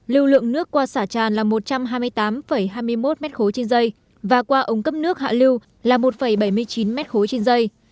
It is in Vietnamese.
lưu lượng nước qua xả tràn là một trăm hai mươi tám hai mươi một m ba trên dây và qua ống cấp nước hạ lưu là một bảy mươi chín m ba trên dây